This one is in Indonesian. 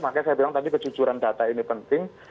makanya saya bilang tadi kejujuran data ini penting